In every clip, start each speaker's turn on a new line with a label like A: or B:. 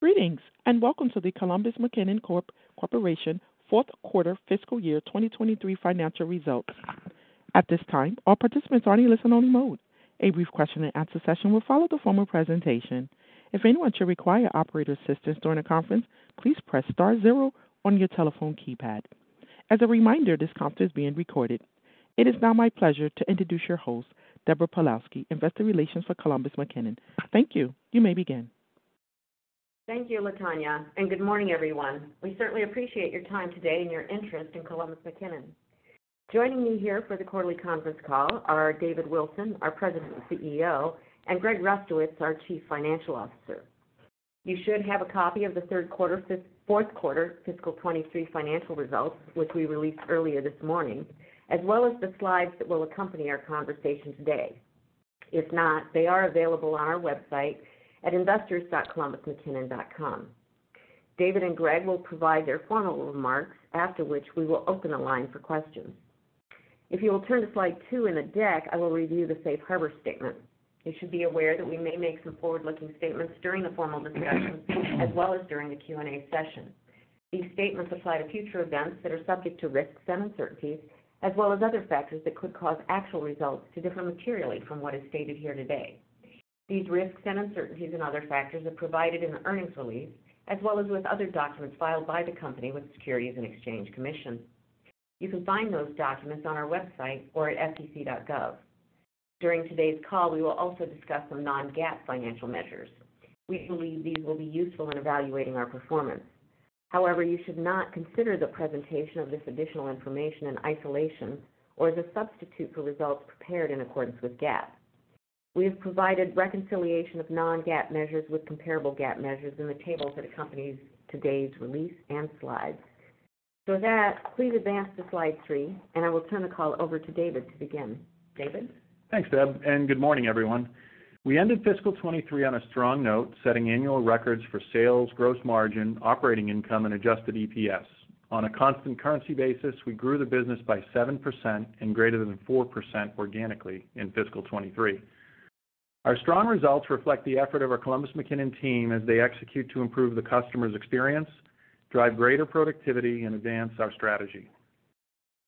A: Greetings, welcome to the Columbus McKinnon Corporation fourth quarter fiscal year 2023 financial results. At this time, all participants are in a listen-only mode. A brief question-and-answer session will follow the formal presentation. If anyone should require operator assistance during the conference, please press star zero on your telephone keypad. As a reminder, this conference is being recorded. It is now my pleasure to introduce your host, Deborah Pawlowski, Investor Relations for Columbus McKinnon. Thank you. You may begin.
B: Thank you, Latonya. Good morning, everyone. We certainly appreciate your time today and your interest in Columbus McKinnon. Joining me here for the quarterly conference call are David Wilson, our President and CEO, and Greg Rustowicz, our Chief Financial Officer. You should have a copy of the third quarter, fourth quarter fiscal 2023 financial results, which we released earlier this morning, as well as the slides that will accompany our conversation today. If not, they are available on our website at investors.columbusmckinnon.com. David and Greg will provide their formal remarks, after which we will open the line for questions. If you will turn to slide two in the deck, I will review the safe harbor statement. You should be aware that we may make some forward-looking statements during the formal discussion as well as during the Q&A session. These statements apply to future events that are subject to risks and uncertainties, as well as other factors that could cause actual results to differ materially from what is stated here today. These risks and uncertainties and other factors are provided in the earnings release, as well as with other documents filed by the company with the Securities and Exchange Commission. You can find those documents on our website or at sec.gov. During today's call, we will also discuss some non-GAAP financial measures. We believe these will be useful in evaluating our performance. However, you should not consider the presentation of this additional information in isolation or as a substitute for results prepared in accordance with GAAP. We have provided reconciliation of non-GAAP measures with comparable GAAP measures in the table that accompanies today's release and slides. With that, please advance to slide three, and I will turn the call over to David to begin. David?
C: Thanks, Deb. Good morning, everyone. We ended fiscal 2023 on a strong note, setting annual records for sales, gross margin, operating income, and Adjusted EPS. On a constant currency basis, we grew the business by 7% and greater than 4% organically in fiscal 2023. Our strong results reflect the effort of our Columbus McKinnon team as they execute to improve the customer's experience, drive greater productivity, and advance our strategy.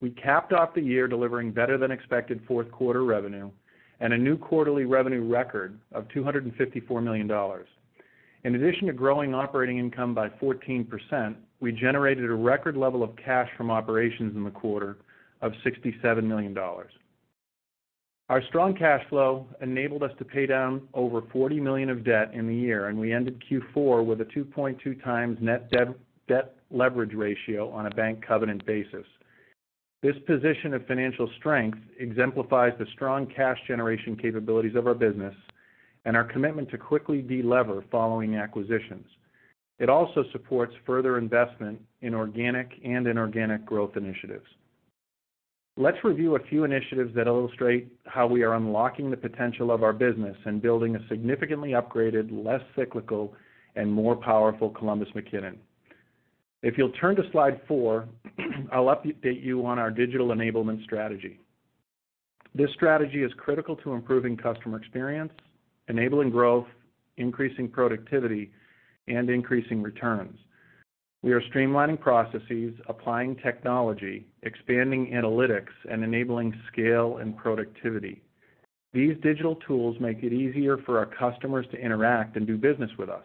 C: We capped off the year delivering better-than-expected fourth quarter revenue and a new quarterly revenue record of $254 million. In addition to growing operating income by 14%, we generated a record level of cash from operations in the quarter of $67 million. Our strong cash flow enabled us to pay down over $40 million of debt in the year. We ended Q4 with a 2.2x net debt leverage ratio on a bank covenant basis. This position of financial strength exemplifies the strong cash generation capabilities of our business and our commitment to quickly de-lever following acquisitions. It also supports further investment in organic and inorganic growth initiatives. Let's review a few initiatives that illustrate how we are unlocking the potential of our business and building a significantly upgraded, less cyclical, and more powerful Columbus McKinnon. If you'll turn to slide four, I'll update you on our digital enablement strategy. This strategy is critical to improving customer experience, enabling growth, increasing productivity, and increasing returns. We are streamlining processes, applying technology, expanding analytics, and enabling scale and productivity. These digital tools make it easier for our customers to interact and do business with us.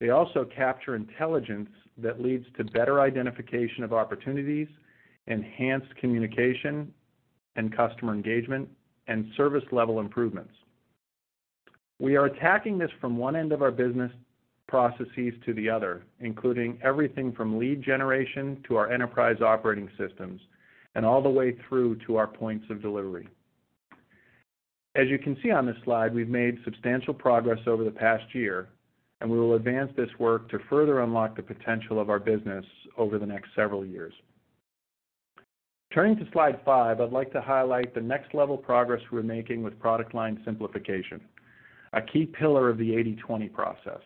C: They also capture intelligence that leads to better identification of opportunities, enhanced communication and customer engagement, and service level improvements. We are attacking this from one end of our business processes to the other, including everything from lead generation to our enterprise operating systems, and all the way through to our points of delivery. As you can see on this slide, we've made substantial progress over the past year, and we will advance this work to further unlock the potential of our business over the next several years. Turning to slide five, I'd like to highlight the next level of progress we're making with product line simplification, a key pillar of the 80/20 process.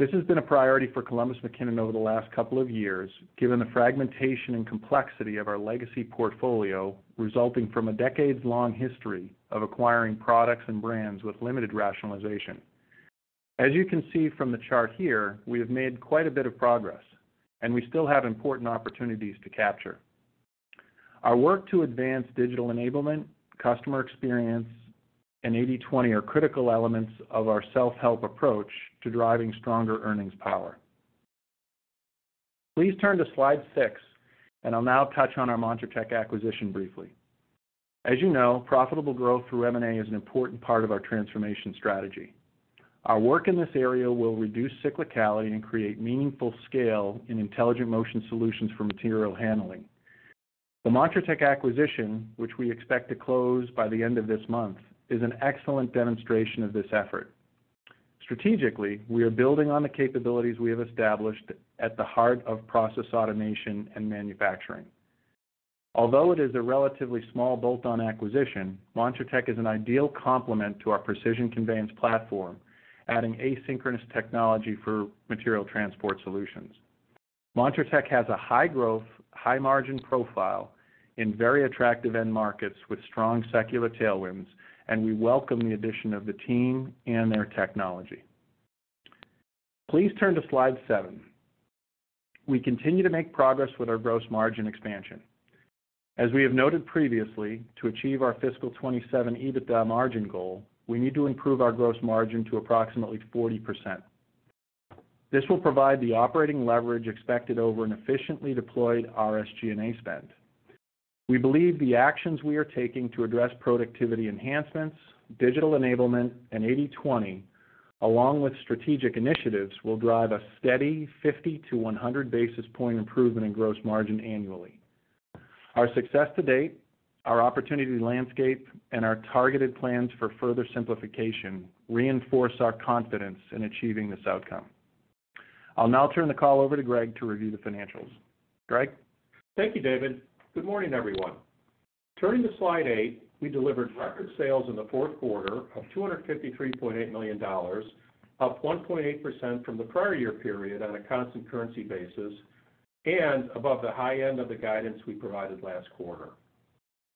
C: This has been a priority for Columbus McKinnon over the last couple of years, given the fragmentation and complexity of our legacy portfolio, resulting from a decades-long history of acquiring products and brands with limited rationalization. We have made quite a bit of progress, and we still have important opportunities to capture. Our work to advance digital enablement, customer experience, and 80/20 are critical elements of our self-help approach to driving stronger earnings power. Please turn to slide six, and I'll now touch on our montratec acquisition briefly. You know, profitable growth through M&A is an important part of our transformation strategy. Our work in this area will reduce cyclicality and create meaningful scale in intelligent motion solutions for material handling. The montratec acquisition, which we expect to close by the end of this month, is an excellent demonstration of this effort. Strategically, we are building on the capabilities we have established at the heart of process automation and manufacturing. It is a relatively small bolt-on acquisition, montratec is an ideal complement to our precision conveyance platform, adding asynchronous technology for material transport solutions. montratec has a high-growth, high-margin profile in very attractive end markets with strong secular tailwinds, we welcome the addition of the team and their technology. Please turn to slide seven. We continue to make progress with our gross margin expansion. We have noted previously, to achieve our fiscal 2027 EBITDA margin goal, we need to improve our gross margin to approximately 40%. This will provide the operating leverage expected over an efficiently deployed SG&A spend. We believe the actions we are taking to address productivity enhancements, digital enablement, and 80/20, along with strategic initiatives, will drive a steady 50 basis point to 100 basis point improvement in gross margin annually. Our success to date, our opportunity landscape, and our targeted plans for further simplification reinforce our confidence in achieving this outcome. I'll now turn the call over to Greg to review the financials. Greg?
D: Thank you, David. Good morning, everyone. Turning to slide eight, we delivered record sales in the fourth quarter of $253.8 million, up 1.8% from the prior year period on a constant currency basis and above the high end of the guidance we provided last quarter.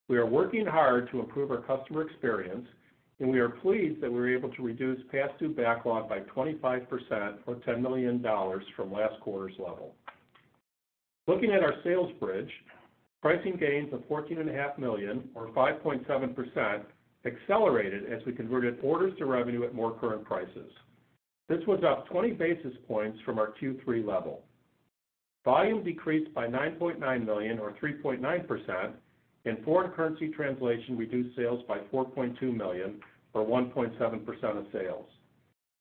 D: We are working hard to improve our customer experience, and we are pleased that we were able to reduce past due backlog by 25% or $10 million from last quarter's level. Looking at our sales bridge, pricing gains of $14.5 million, or 5.7%, accelerated as we converted orders to revenue at more current prices. This was up 20 basis points from our Q3 level. Volume decreased by $9.9 million, or 3.9%. In foreign currency translation, we reduced sales by $4.2 million, or 1.7% of sales.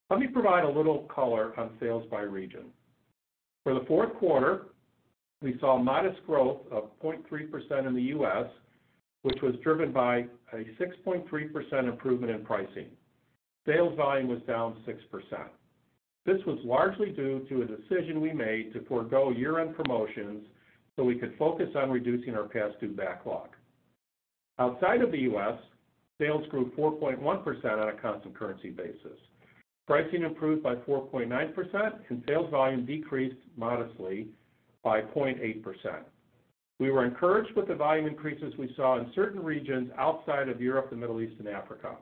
D: Let me provide a little color on sales by region. For the fourth quarter, we saw modest growth of 0.3% in the U.S., which was driven by a 6.3% improvement in pricing. Sales volume was down 6%. This was largely due to a decision we made to forgo year-end promotions, so we could focus on reducing our past due backlog. Outside of the U.S., sales grew 4.1% on a constant currency basis. Pricing improved by 4.9%, and sales volume decreased modestly by 0.8%. We were encouraged with the volume increases we saw in certain regions outside of Europe, the Middle East, and Africa.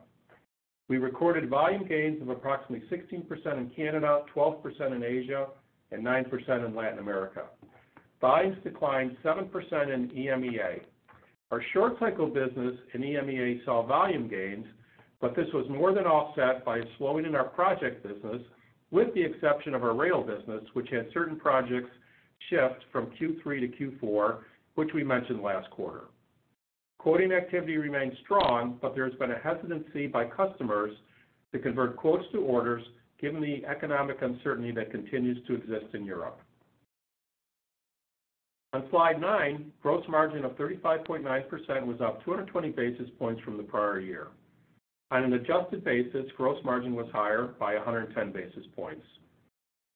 D: We recorded volume gains of approximately 16% in Canada, 12% in Asia, and 9% in Latin America. Volumes declined 7% in EMEA. Our short cycle business in EMEA saw volume gains, but this was more than offset by a slowing in our project business, with the exception of our rail business, which had certain projects shift from Q3 to Q4, which we mentioned last quarter. Quoting activity remains strong, but there has been a hesitancy by customers to convert quotes to orders, given the economic uncertainty that continues to exist in Europe. On slide nine, gross margin of 35.9% was up 220 basis points from the prior year. On an adjusted basis, gross margin was higher by 110 basis points.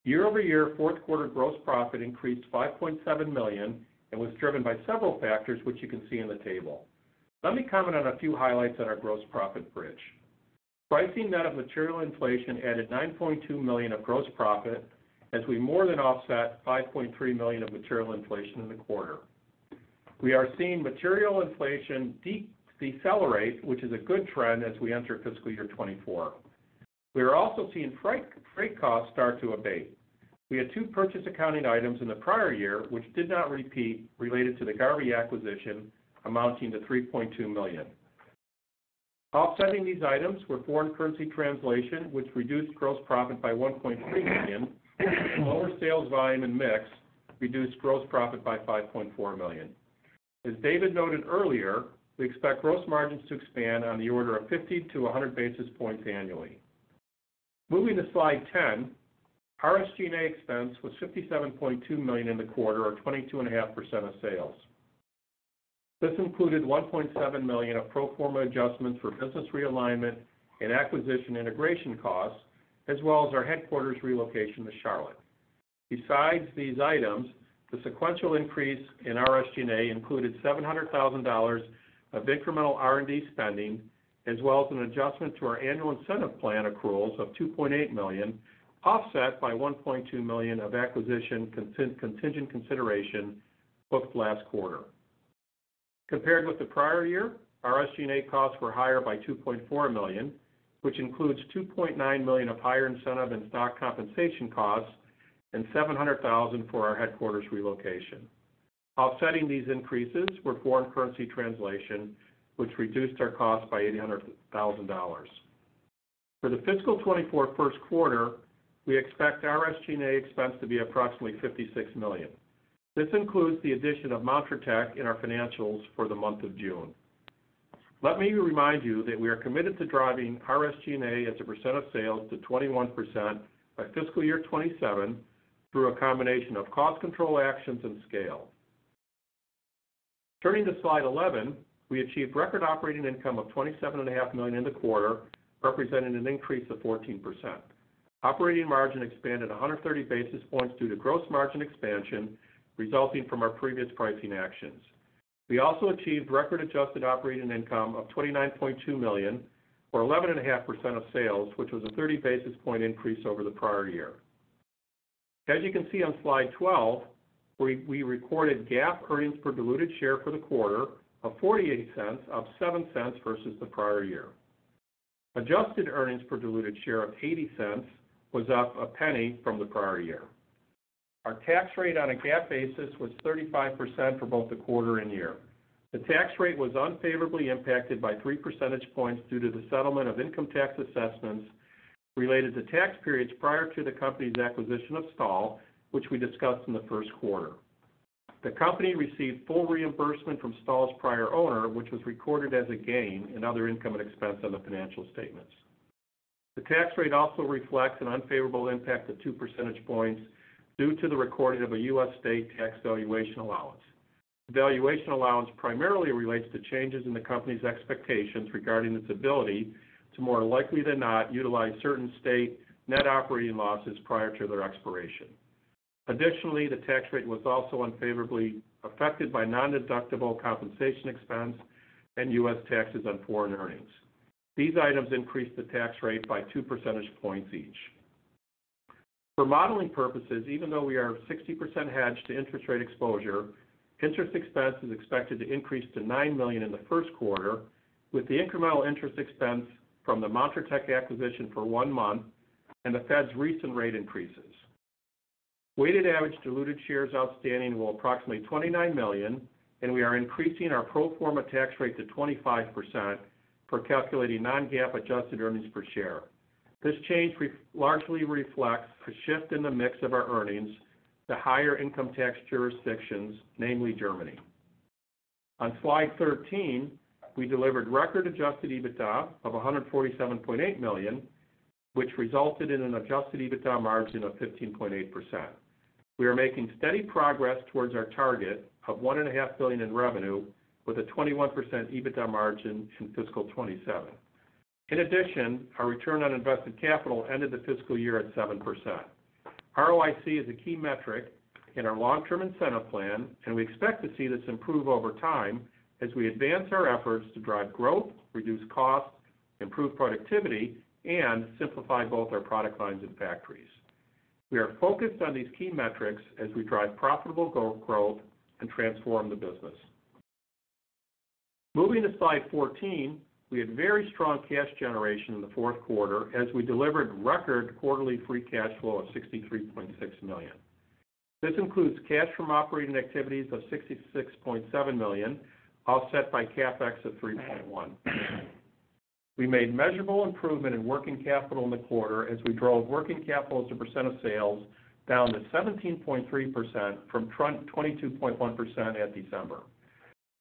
D: Year-over-year, fourth quarter gross profit increased $5.7 million and was driven by several factors, which you can see in the table. Let me comment on a few highlights on our gross profit bridge. Pricing net of material inflation added $9.2 million of gross profit, as we more than offset $5.3 million of material inflation in the quarter. We are seeing material inflation decelerate, which is a good trend as we enter fiscal year 2024. We are also seeing freight costs start to abate. We had two purchase accounting items in the prior year, which did not repeat, related to the Garvey acquisition, amounting to $3.2 million. Offsetting these items were foreign currency translation, which reduced gross profit by $1.3 million. Lower sales volume and mix reduced gross profit by $5.4 million. As David noted earlier, we expect gross margins to expand on the order of 50-100 basis points annually. Moving to slide 10, our SG&A expense was $57.2 million in the quarter, or 22.5% of sales. This included $1.7 million of pro forma adjustments for business realignment and acquisition integration costs, as well as our headquarters relocation to Charlotte. Besides these items, the sequential increase in our SG&A included $700,000 of incremental R&D spending, as well as an adjustment to our annual incentive plan accruals of $2.8 million, offset by $1.2 million of acquisition contingent consideration booked last quarter. Compared with the prior year, our SG&A costs were higher by $2.4 million, which includes $2.9 million of higher incentive and stock compensation costs and $700,000 for our headquarters relocation. Offsetting these increases were foreign currency translation, which reduced our costs by $800,000. For the fiscal 2024 first quarter, we expect our SG&A expense to be approximately $56 million. This includes the addition of montratec in our financials for the month of June. Let me remind you that we are committed to driving our SG&A as a percent of sales to 21% by fiscal year 2027, through a combination of cost control actions and scale. Turning to slide 11, we achieved record operating income of $27.5 million in the quarter, representing an increase of 14%. Operating margin expanded 130 basis points due to gross margin expansion resulting from our previous pricing actions. Also, we achieved record adjusted operating income of $29.2 million, or 11.5% of sales, which was a 30 basis point increase over the prior year. As you can see on slide 12, we recorded GAAP earnings per diluted share for the quarter of $0.48, up $0.07 versus the prior year. Adjusted earnings per diluted share of $0.80 was up $0.01 from the prior year. Our tax rate on a GAAP basis was 35% for both the quarter and year. The tax rate was unfavorably impacted by three percentage points due to the settlement of income tax assessments related to tax periods prior to the company's acquisition of Stahl, which we discussed in the first quarter. The company received full reimbursement from Stahl's prior owner, which was recorded as a gain in other income and expense on the financial statements. The tax rate also reflects an unfavorable impact of two percentage points due to the recording of a U.S. state tax valuation allowance. The valuation allowance primarily relates to changes in the company's expectations regarding its ability to more likely than not, utilize certain state net operating losses prior to their expiration. The tax rate was also unfavorably affected by nondeductible compensation expense and U.S. taxes on foreign earnings. These items increased the tax rate by two percentage points each. For modeling purposes, even though we are 60% hedged to interest rate exposure, interest expense is expected to increase to $9 million in the first quarter, with the incremental interest expense from the montratec acquisition for one month and the Fed's recent rate increases. Weighted average diluted shares outstanding were approximately 29 million, and we are increasing our non-GAAP pro forma tax rate to 25% for calculating non-GAAP adjusted earnings per share. This change largely reflects a shift in the mix of our earnings to higher income tax jurisdictions, namely Germany. On slide 13, we delivered record Adjusted EBITDA of $147.8 million, which resulted in an Adjusted EBITDA margin of 15.8%. We are making steady progress towards our target of $1.5 billion in revenue with a 21% EBITDA margin in fiscal 2027. In addition, our return on invested capital ended the fiscal year at 7%. ROIC is a key metric in our long-term incentive plan, and we expect to see this improve over time as we advance our efforts to drive growth, reduce costs, improve productivity, and simplify both our product lines and factories. We are focused on these key metrics as we drive profitable growth and transform the business. Moving to slide 14, we had very strong cash generation in the fourth quarter as we delivered record quarterly free cash flow of $63.6 million. This includes cash from operating activities of $66.7 million, offset by CapEx of $3.1 million. We made measurable improvement in working capital in the quarter as we drove working capital as a percent of sales down to 17.3% from 22.1% at December.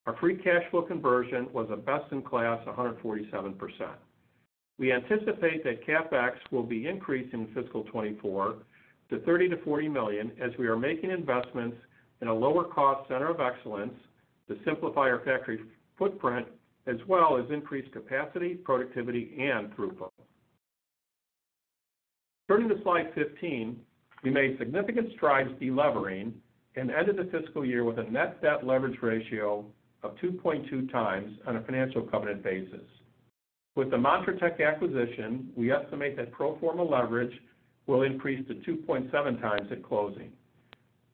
D: Our free cash flow conversion was a best-in-class 147%. We anticipate that CapEx will be increased in fiscal 2024 to $30 million-$40 million, as we are making investments in a lower cost center of excellence to simplify our factory footprint, as well as increase capacity, productivity, and throughput. Turning to slide 15, we made significant strides delevering and ended the fiscal year with a net debt leverage ratio of 2.2x on a financial covenant basis. With the montratec acquisition, we estimate that pro forma leverage will increase to 2.7x at closing.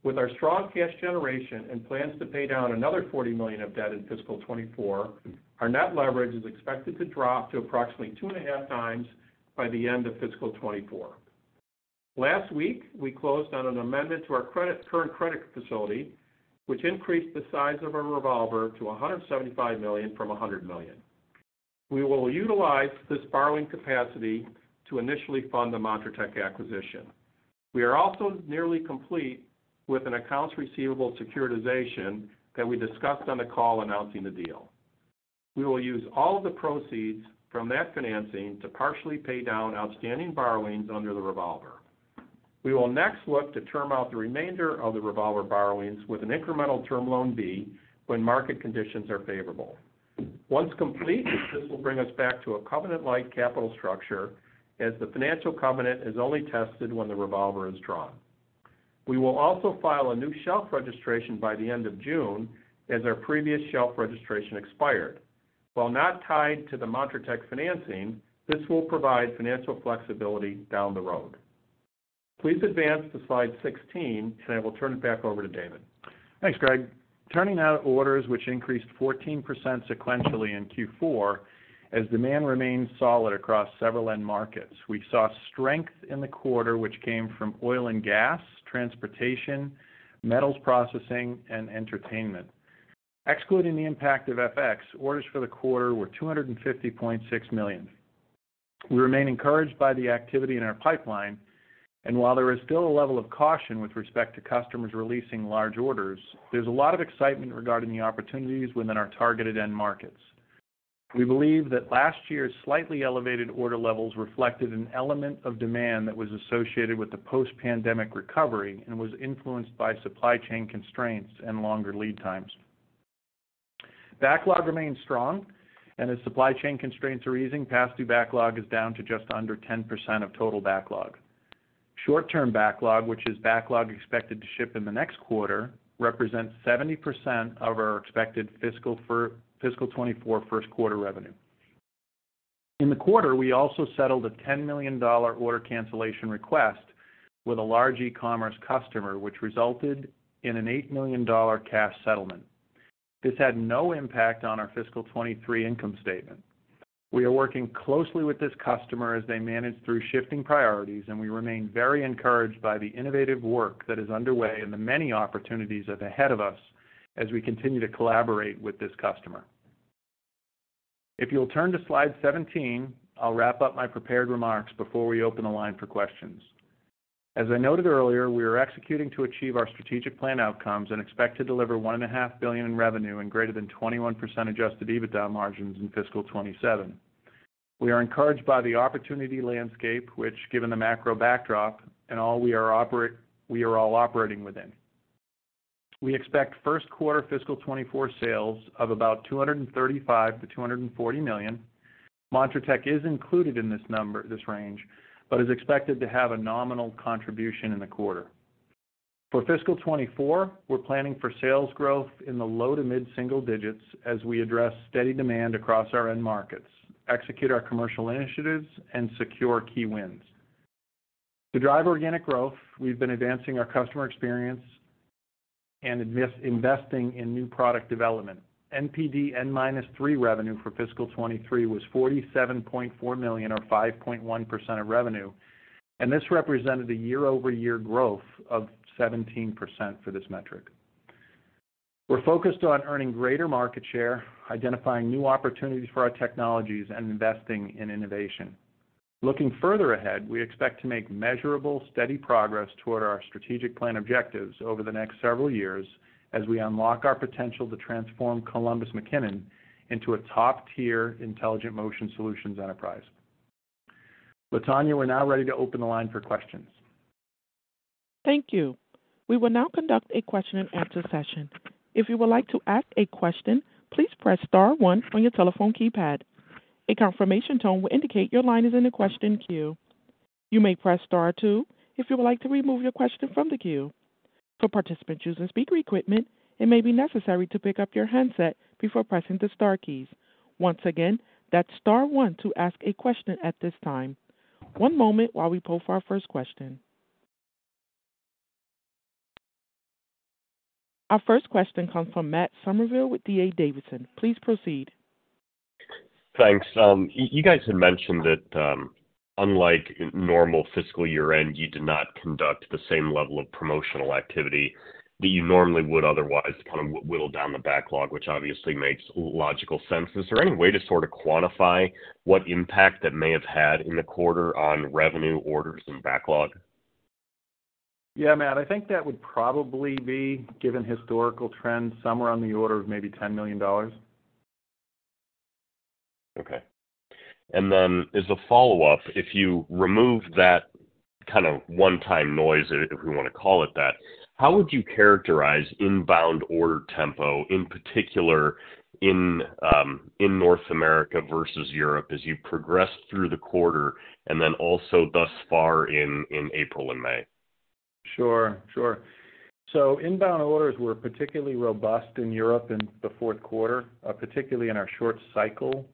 D: With our strong cash generation and plans to pay down another $40 million of debt in fiscal 2024, our net leverage is expected to drop to approximately 2.5x by the end of fiscal 2024. Last week, we closed on an amendment to our credit, current credit facility, which increased the size of our revolver to $175 million from $100 million. We will utilize this borrowing capacity to initially fund the montratec acquisition. We are also nearly complete with an accounts receivable securitization that we discussed on the call announcing the deal. We will use all the proceeds from that financing to partially pay down outstanding borrowings under the revolver. We will next look to term out the remainder of the revolver borrowings with an incremental Term Loan B when market conditions are favorable. Once complete, this will bring us back to a covenant-like capital structure, as the financial covenant is only tested when the revolver is drawn. We will also file a new shelf registration by the end of June, as our previous shelf registration expired. While not tied to the montratec financing, this will provide financial flexibility down the road. Please advance to slide 16, and I will turn it back over to David.
C: Thanks, Greg. Turning now to orders, which increased 14% sequentially in Q4, as demand remained solid across several end markets. We saw strength in the quarter, which came from oil and gas, transportation, metals processing, and entertainment. Excluding the impact of FX, orders for the quarter were $250.6 million. We remain encouraged by the activity in our pipeline, and while there is still a level of caution with respect to customers releasing large orders, there's a lot of excitement regarding the opportunities within our targeted end markets. We believe that last year's slightly elevated order levels reflected an element of demand that was associated with the post-pandemic recovery and was influenced by supply chain constraints and longer lead times. Backlog remains strong, and as supply chain constraints are easing, past due backlog is down to just under 10% of total backlog. short-term backlog, which is backlog expected to ship in the next quarter, represents 70% of our expected fiscal for fiscal 2024 first quarter revenue. In the quarter, we also settled a $10 million order cancellation request with a large e-commerce customer, which resulted in an $8 million cash settlement. This had no impact on our fiscal 2023 income statement. We are working closely with this customer as they manage through shifting priorities, and we remain very encouraged by the innovative work that is underway and the many opportunities that are ahead of us as we continue to collaborate with this customer. If you'll turn to slide 17, I'll wrap up my prepared remarks before we open the line for questions. As I noted earlier, we are executing to achieve our strategic plan outcomes and expect to deliver one and a half billion in revenue and greater than 21% adjusted EBITDA margins in fiscal 2027. We are encouraged by the opportunity landscape, which, given the macro backdrop and all we are all operating within. We expect first quarter fiscal 2024 sales of about $235 million-$240 million. montratec is included in this number, this range, but is expected to have a nominal contribution in the quarter. For fiscal 2024, we're planning for sales growth in the low to mid-single digits as we address steady demand across our end markets, execute our commercial initiatives, and secure key wins. To drive organic growth, we've been advancing our customer experience and investing in new product development. NPD N minus three revenue for fiscal 2023 was $47.4 million, or 5.1% of revenue, and this represented a year-over-year growth of 17% for this metric. We're focused on earning greater market share, identifying new opportunities for our technologies, and investing in innovation. Looking further ahead, we expect to make measurable, steady progress toward our strategic plan objectives over the next several years as we unlock our potential to transform Columbus McKinnon into a top-tier intelligent motion solutions enterprise. Latonya, we're now ready to open the line for questions.
A: Thank you. We will now conduct a question-and-answer session. If you would like to ask a question, please press star one on your telephone keypad. A confirmation tone will indicate your line is in the question queue. You may press star two if you would like to remove your question from the queue. For participants using speaker equipment, it may be necessary to pick up your handset before pressing the star keys. Once again, that's star one to ask a question at this time. One moment while we poll for our first question. Our first question comes from Matt Summerville with D.A. Davidson. Please proceed.
E: Thanks. You guys had mentioned that, unlike normal fiscal year-end, you did not conduct the same level of promotional activity that you normally would otherwise kind of whittle down the backlog, which obviously makes logical sense. Is there any way to sort of quantify what impact that may have had in the quarter on revenue orders and backlog?
C: Yeah, Matt, I think that would probably be, given historical trends, somewhere on the order of maybe $10 million.
E: Okay. As a follow-up, if you remove that kind of one-time noise, if we want to call it that, how would you characterize inbound order tempo, in particular in North America versus Europe, as you progressed through the quarter and then also thus far in April and May?
C: Sure, sure. Inbound orders were particularly robust in Europe in the fourth quarter, particularly in our short cycle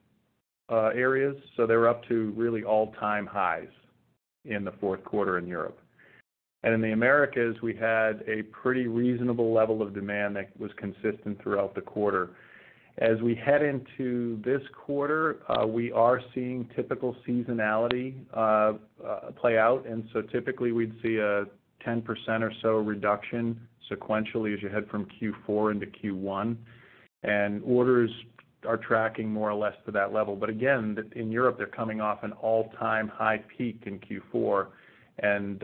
C: areas. They were up to really all-time highs in the fourth quarter in Europe. In the Americas, we had a pretty reasonable level of demand that was consistent throughout the quarter. As we head into this quarter, we are seeing typical seasonality play out. Typically, we'd see a 10% or so reduction sequentially as you head from Q4 into Q1. Orders are tracking more or less to that level. Again, in Europe, they're coming off an all-time high peak in Q4 and,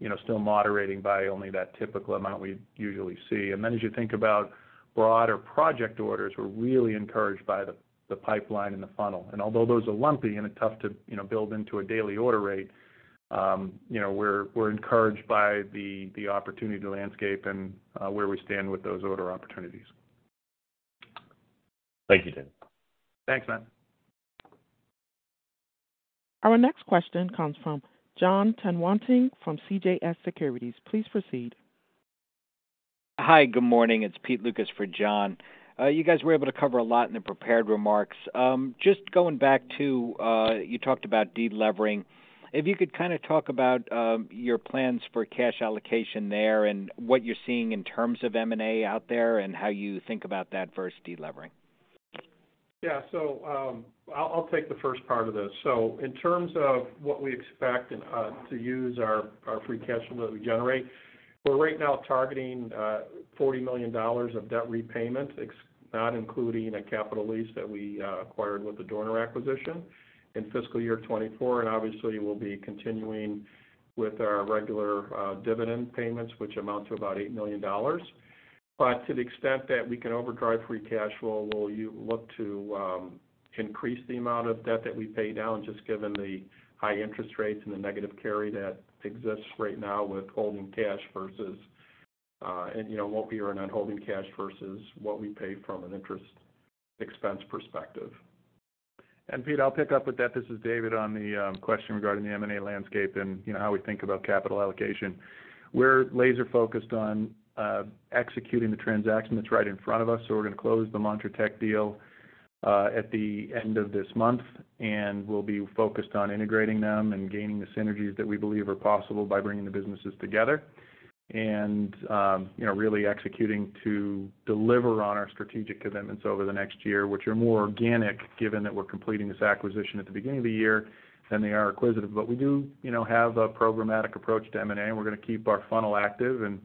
C: you know, still moderating by only that typical amount we usually see. As you think about broader project orders, we're really encouraged by the pipeline and the funnel. Although those are lumpy and it's tough to, you know, build into a daily order rate, you know, we're encouraged by the opportunity to landscape and where we stand with those order opportunities.
E: Thank you, David.
C: Thanks, Matt.
A: Our next question comes from Jon Tanwanteng from CJS Securities. Please proceed.
F: Hi, good morning. It's Pete Lucas for Jon. You guys were able to cover a lot in the prepared remarks. Just going back to, you talked about delevering. If you could kind of talk about your plans for cash allocation there and what you're seeing in terms of M&A out there and how you think about that versus delevering?
D: I'll take the first part of this. In terms of what we expect to use our free cash flow that we generate, we're right now targeting $40 million of debt repayment, not including a capital lease that we acquired with the Dorner acquisition in fiscal year 2024. Obviously, we'll be continuing with our regular dividend payments, which amount to about $8 million. To the extent that we can overdrive free cash flow, we'll look to increase the amount of debt that we pay down, just given the high interest rates and the negative carry that exists right now with holding cash versus, and, you know, what we are not holding cash versus what we pay from an interest expense perspective.
C: Pete, I'll pick up with that. This is David on the question regarding the M&A landscape and, you know, how we think about capital allocation. We're laser focused on executing the transaction that's right in front of us. We're going to close the montratec deal at the end of this month, and we'll be focused on integrating them and gaining the synergies that we believe are possible by bringing the businesses together. You know, really executing to deliver on our strategic commitments over the next year, which are more organic, given that we're completing this acquisition at the beginning of the year than they are acquisitive. We do, you know, have a programmatic approach to M&A, and we're going to keep our funnel active and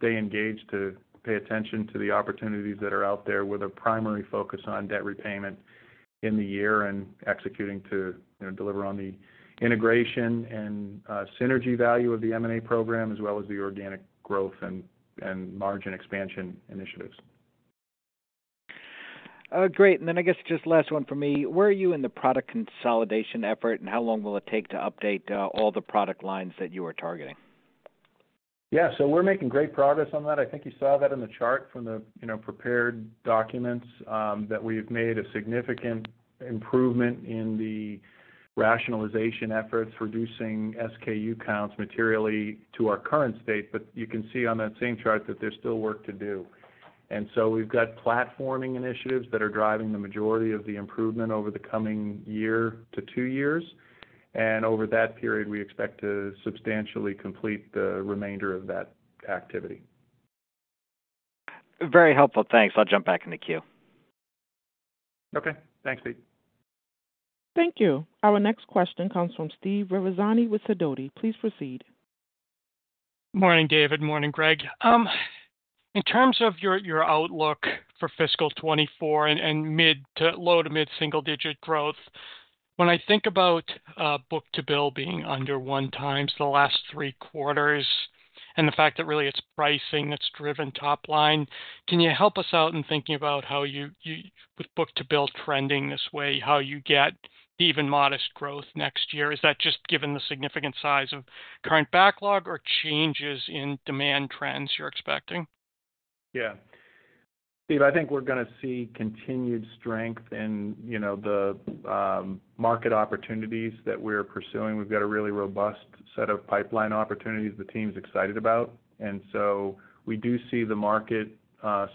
C: stay engaged to pay attention to the opportunities that are out there, with a primary focus on debt repayment in the year and executing to, you know, deliver on the integration and synergy value of the M&A program, as well as the organic growth and margin expansion initiatives.
F: Great. I guess just last one for me. Where are you in the product consolidation effort, and how long will it take to update all the product lines that you are targeting?
C: We're making great progress on that. I think you saw that in the chart from the, you know, prepared documents, that we've made a significant improvement in the rationalization efforts, reducing SKU counts materially to our current state. You can see on that same chart that there's still work to do. We've got platforming initiatives that are driving the majority of the improvement over the coming one to two years. Over that period, we expect to substantially complete the remainder of that activity.
F: Very helpful. Thanks. I'll jump back in the queue.
C: Okay, thanks, Pete.
A: Thank you. Our next question comes from Steve Ferazani with Sidoti. Please proceed.
G: Morning, David. Morning, Greg. In terms of your outlook for fiscal 2024 and low to mid single-digit growth, when I think about Book-to-Bill being under 1x the last three quarters, and the fact that really it's pricing that's driven top line, can you help us out in thinking about how you, with Book-to-Bill trending this way, how you get even modest growth next year? Is that just given the significant size of current backlog or changes in demand trends you're expecting?
C: Steve, I think we're going to see continued strength in, you know, the market opportunities that we're pursuing. We've got a really robust set of pipeline opportunities the team's excited about. We do see the market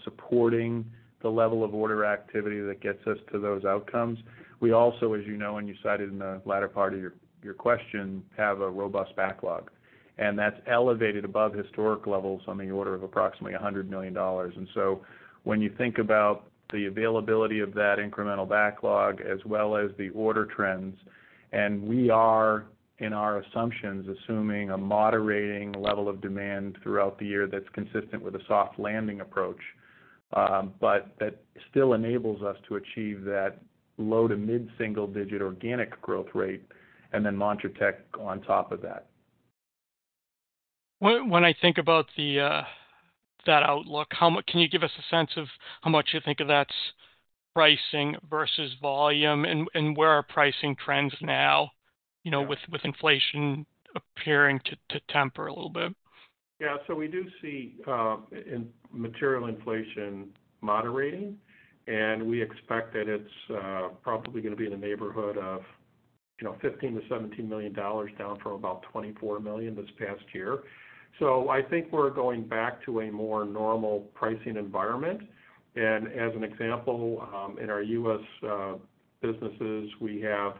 C: supporting the level of order activity that gets us to those outcomes. We also, as you know, and you cited in the latter part of your question, have a robust backlog, and that's elevated above historic levels on the order of approximately $100 million. When you think about the availability of that incremental backlog as well as the order trends, and we are, in our assumptions, assuming a moderating level of demand throughout the year, that's consistent with a soft landing approach, but that still enables us to achieve that low to mid-single digit organic growth rate and then montratec on top of that.
G: When I think about the that outlook, can you give us a sense of how much you think of that's pricing versus volume? Where are pricing trends now, you know, with inflation appearing to temper a little bit?
C: Yeah. We do see material inflation moderating, and we expect that it's probably going to be in the neighborhood of, you know, $15 million-$17 million, down from about $24 million this past year. I think we're going back to a more normal pricing environment. As an example, in our U.S. businesses, we have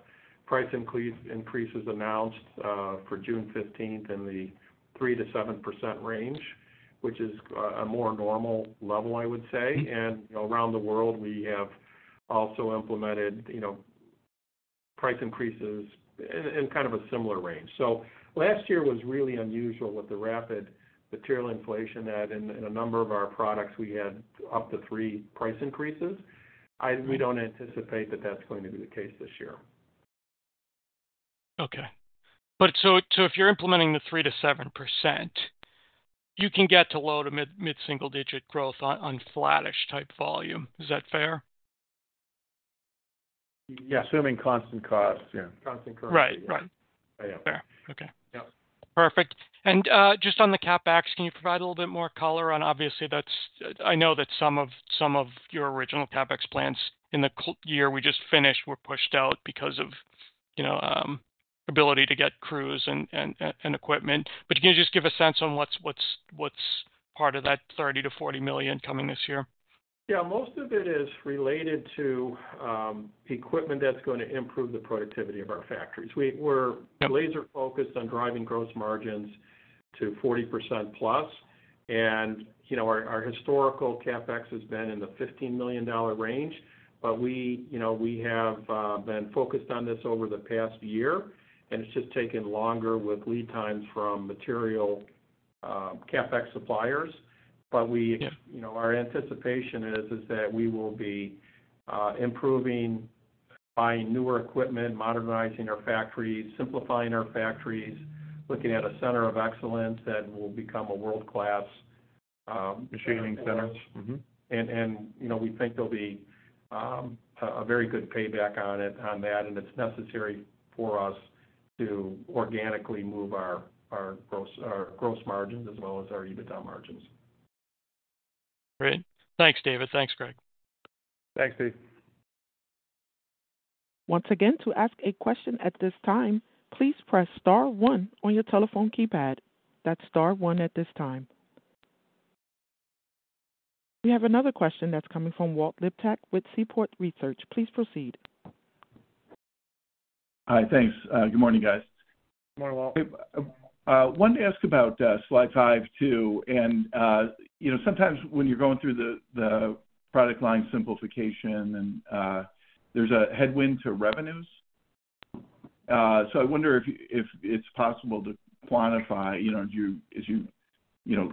C: price increases announced for June 15th in the 3%-7% range, which is a more normal level, I would say. Around the world, we have also implemented, you know, price increases in kind of a similar range. Last year was really unusual with the rapid material inflation that in a number of our products, we had up to three price increases. We don't anticipate that that's going to be the case this year.
G: Okay. If you're implementing the 3%-7%, you can get to low to mid-single-digit growth on flattish type volume. Is that fair?
C: Yeah.
D: Assuming constant costs, yeah.
C: Constant costs.
G: Right. Right.
C: Yeah.
G: Fair. Okay.
C: Yep.
G: Perfect. Just on the CapEx, can you provide a little bit more color on. Obviously, I know that some of your original CapEx plans in the year we just finished were pushed out because of, you know, ability to get crews and equipment. Can you just give a sense on what's part of that $30 million-$40 million coming this year?
C: Yeah. Most of it is related to equipment that's going to improve the productivity of our factories. We're laser focused on driving gross margins to 40%+. You know, our historical CapEx has been in the $15 million range, we, you know, we have been focused on this over the past year, and it's just taken longer with lead times from material, CapEx suppliers.
G: Yeah
C: You know, our anticipation is that we will be improving by newer equipment, modernizing our factories, simplifying our factories, looking at a center of excellence that will become a world-class machining center.
G: Mm-hmm.
C: You know, we think there'll be a very good payback on it, on that, and it's necessary for us to organically move our gross margins as well as our EBITDA margins.
G: Great. Thanks, David. Thanks, Greg.
D: Thanks, Steve.
A: Once again, to ask a question at this time, please press star one on your telephone keypad. That's star one at this time. We have another question that's coming from Walt Liptak with Seaport Research. Please proceed.
H: Hi. Thanks. Good morning, guys.
D: Good morning, Walt.
H: Wanted to ask about slide five too. You know, sometimes when you're going through the product line simplification, there's a headwind to revenues. I wonder if it's possible to quantify, you know, do you, as you know,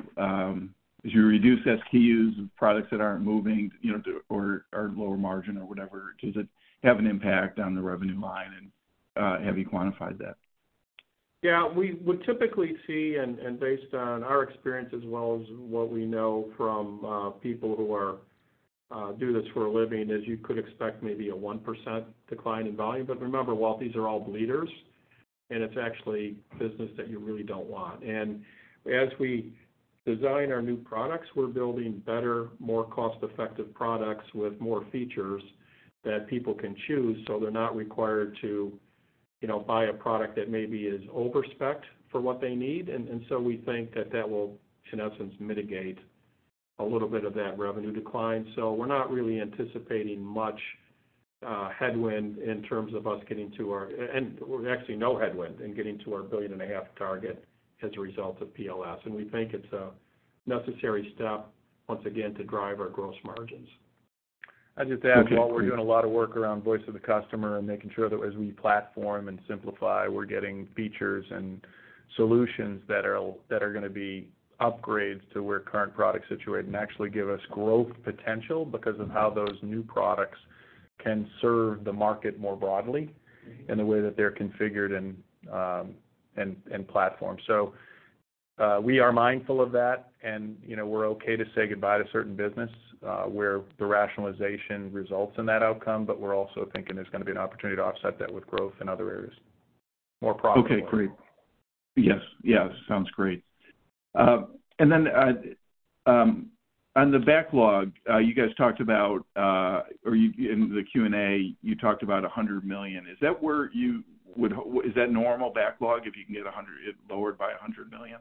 H: as you reduce SKUs and products that aren't moving, you know, or lower margin or whatever, does it have an impact on the revenue line? Have you quantified that?
D: Yeah, we would typically see, and based on our experience as well as what we know from people who are do this for a living, is you could expect maybe a 1% decline in volume. Remember, Walt, these are all bleeders, and it's actually business that you really don't want. As we design our new products, we're building better, more cost-effective products with more features that people can choose, so they're not required to, you know, buy a product that maybe is over-specced for what they need. We think that that will, in essence, mitigate a little bit of that revenue decline. We're not really anticipating much headwind in terms of us actually, no headwind in getting to our billion and a half target as a result of PLS. We think it's a necessary step, once again, to drive our gross margins.
C: I'd just add, Walt, we're doing a lot of work around voice of the customer and making sure that as we platform and simplify, we're getting features and solutions that are going to be upgrades to where current products situate and actually give us growth potential because of how those new products can serve the market more broadly in the way that they're configured and platformed. We are mindful of that, and, you know, we're okay to say goodbye to certain business where the rationalization results in that outcome. We're also thinking there's going to be an opportunity to offset that with growth in other areas, more profitably.
H: Okay, great. Yes, yes, sounds great. On the backlog, you guys talked about, or you in the Q&A, you talked about $100 million. Is that normal backlog, if you can get $100 million, lowered by $100 million?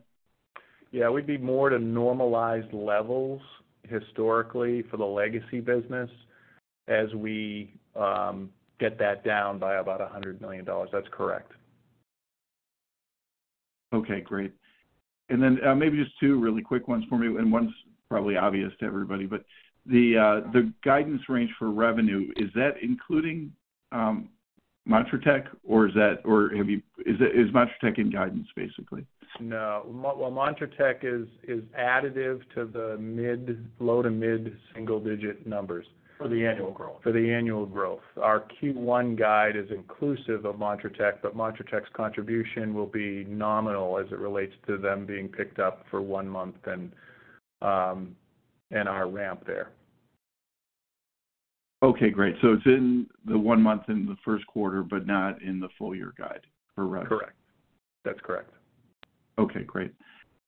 C: Yeah, we'd be more to normalized levels historically for the legacy business as we get that down by about $100 million. That's correct.
H: Okay, great. Maybe just two really quick ones for me, and one's probably obvious to everybody. The guidance range for revenue, is that including montratec? Is montratec in guidance, basically?
C: No. Well, montratec is additive to the mid, low to mid single digit numbers.
D: For the annual growth.
C: For the annual growth. Our Q1 guide is inclusive of montratec, but montratec's contribution will be nominal as it relates to them being picked up for one month and our ramp there.
H: Okay, great. It's in the one month in the first quarter, but not in the full year guide for revenue?
C: Correct. That's correct.
H: Okay, great.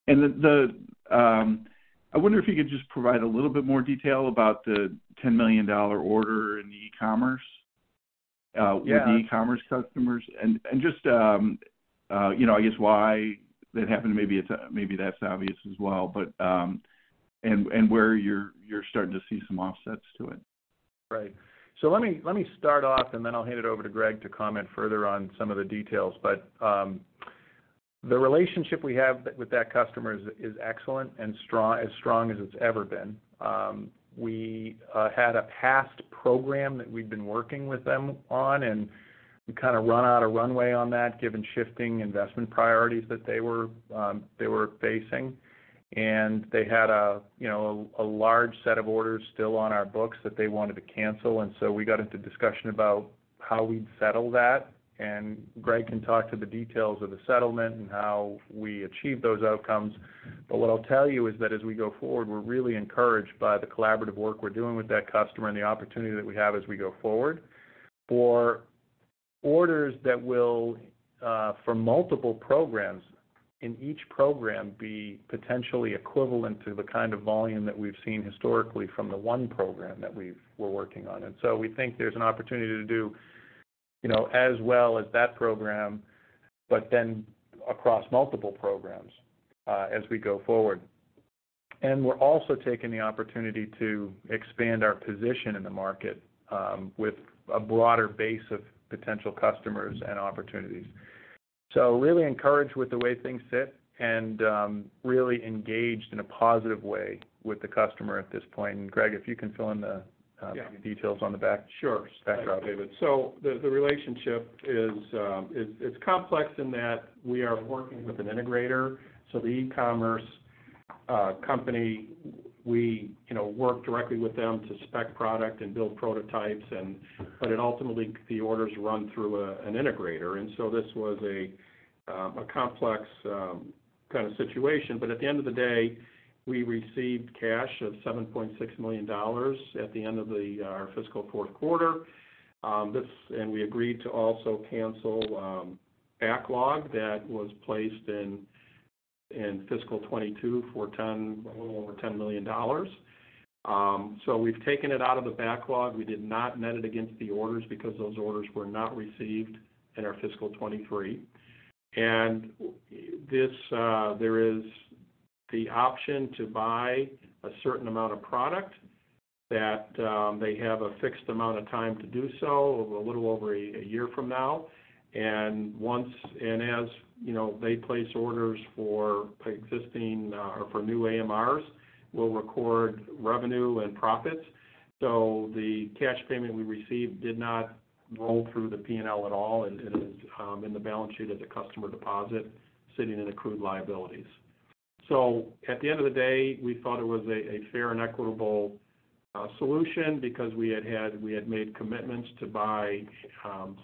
H: I wonder if you could just provide a little bit more detail about the $10 million order in the e-commerce?
C: Yeah...
H: with the e-commerce customers, and just, you know, I guess why that happened, maybe it's, maybe that's obvious as well, but, and where you're starting to see some offsets to it.
C: Right. Let me start off, then I'll hand it over to Greg to comment further on some of the details. The relationship we have with that customer is excellent and strong, as strong as it's ever been. We had a past program that we've been working with them on, we kind of run out of runway on that, given shifting investment priorities that they were facing. They had a, you know, a large set of orders still on our books that they wanted to cancel, so we got into discussion about how we'd settle that. Greg can talk to the details of the settlement and how we achieved those outcomes. What I'll tell you is that as we go forward, we're really encouraged by the collaborative work we're doing with that customer and the opportunity that we have as we go forward. For orders that will for multiple programs, in each program, be potentially equivalent to the kind of volume that we've seen historically from the one program that we're working on. We think there's an opportunity to do, you know, as well as that program, but then across multiple programs as we go forward. We're also taking the opportunity to expand our position in the market with a broader base of potential customers and opportunities. Really encouraged with the way things sit and really engaged in a positive way with the customer at this point. Greg Rustowicz, if you can fill in the.
D: Yeah
C: details on the back.
D: Sure. Thanks, David. The relationship is, it's complex in that we are working with an integrator. The e-commerce company, we, you know, work directly with them to spec product and build prototypes but then ultimately, the orders run through an integrator. This was a complex kind of situation. At the end of the day, we received cash of $7.6 million at the end of our fiscal fourth quarter. We agreed to also cancel backlog that was placed in fiscal 2022 for a little over $10 million. We've taken it out of the backlog. We did not net it against the orders because those orders were not received in our fiscal 2023. This, there is the option to buy a certain amount of product that, they have a fixed amount of time to do so, a little over a year from now. As, you know, they place orders for existing or for new AMRs, we'll record revenue and profits. The cash payment we received did not roll through the P&L at all. It is in the balance sheet as a customer deposit, sitting in accrued liabilities. At the end of the day, we thought it was a fair and equitable solution because we had made commitments to buy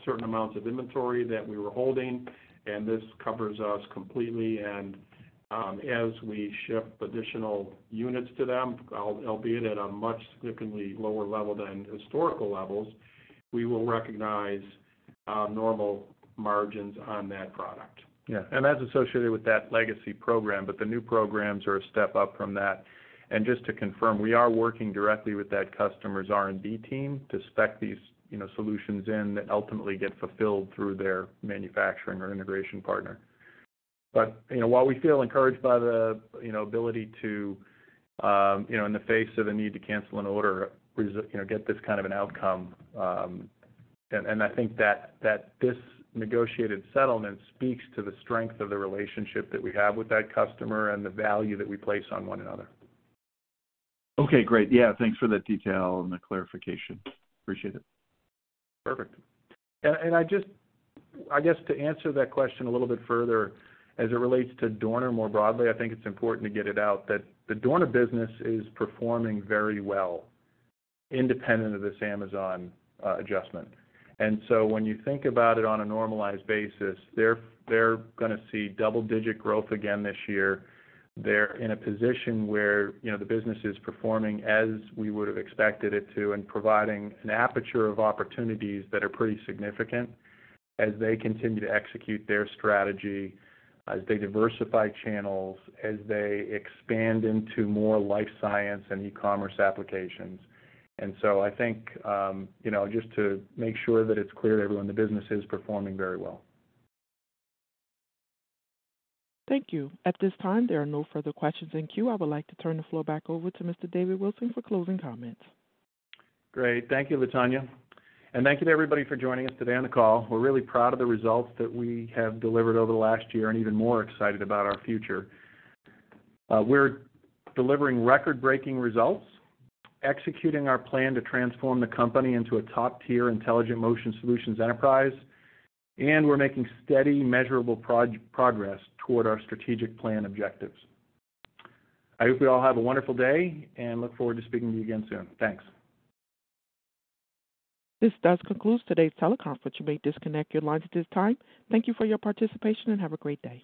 D: certain amounts of inventory that we were holding, and this covers us completely. As we ship additional units to them, albeit at a much significantly lower level than historical levels, we will recognize normal margins on that product.
C: Yeah, that's associated with that legacy program, but the new programs are a step up from that. Just to confirm, we are working directly with that customer's R&D team to spec these, you know, solutions in, that ultimately get fulfilled through their manufacturing or integration partner. While we feel encouraged by the, you know, ability to, you know, in the face of a need to cancel an order, You know, get this kind of an outcome, and I think that this negotiated settlement speaks to the strength of the relationship that we have with that customer and the value that we place on one another.
H: Okay, great. Yeah, thanks for that detail and the clarification. Appreciate it.
C: Perfect. I just I guess, to answer that question a little bit further, as it relates to Dorner more broadly, I think it's important to get it out that the Dorner business is performing very well, independent of this Amazon adjustment. When you think about it on a normalized basis, they're gonna see double-digit growth again this year. They're in a position where, you know, the business is performing as we would have expected it to, and providing an aperture of opportunities that are pretty significant as they continue to execute their strategy, as they diversify channels, as they expand into more life science and e-commerce applications. I think, you know, just to make sure that it's clear to everyone, the business is performing very well.
A: Thank you. At this time, there are no further questions in queue. I would like to turn the floor back over to Mr. David Wilson for closing comments.
C: Great. Thank you, Latonya, and thank you to everybody for joining us today on the call. We're really proud of the results that we have delivered over the last year and even more excited about our future. We're delivering record-breaking results, executing our plan to transform the company into a top-tier intelligent motion solutions enterprise, and we're making steady, measurable progress toward our strategic plan objectives. I hope you all have a wonderful day, and look forward to speaking to you again soon. Thanks.
A: This does conclude today's teleconference. You may disconnect your lines at this time. Thank you for your participation, have a great day.